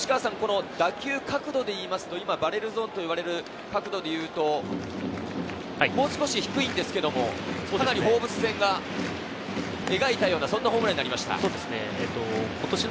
打球角度でいうとバレルゾーンといわれる角度でいうと、もう少し低いんですけれど、かなり放物線を描いたようなホームランになりました。